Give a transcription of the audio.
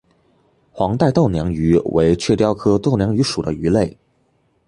黄带豆娘鱼为雀鲷科豆娘鱼属的鱼类。